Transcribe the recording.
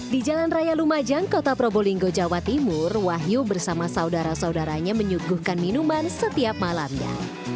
di jalan raya lumajang kota probolinggo jawa timur wahyu bersama saudara saudaranya menyuguhkan minuman setiap malamnya